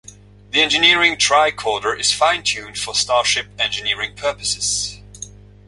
The engineering tricorder is fine-tuned for starship engineering purposes.